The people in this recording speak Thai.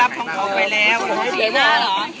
ยังไม่เต็มรอยนะยังไม่มีสระเต็มเลย